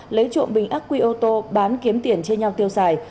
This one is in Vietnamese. lấy trộm bình ác quy ô tô bán kiếm tiền chia nhau tiêu xài